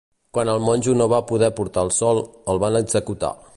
Quan el monjo no va poder portar el sol, el van executar.